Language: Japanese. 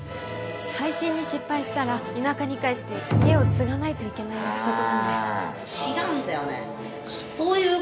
配信に失敗したら田舎に帰って家を継がないといけない約束なんです。